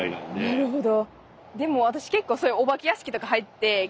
なるほど。